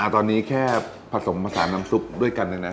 ตอนนี้แค่ผสมผสานน้ำซุปด้วยกันนะนะ